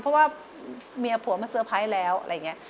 เพราะว่าเมียผัวมาเซอร์ไพรส์แล้วอะไรอย่างนี้